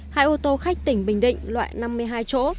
hai ô tô khách tỉnh bình định loại năm mươi hai chỗ